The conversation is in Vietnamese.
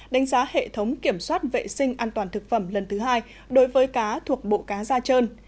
đánh giá hệ thống kiểm soát vệ sinh an toàn thực phẩm lần thứ hai đối với cá thuộc bộ cá da trơn